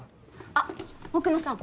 あっ奥野さん。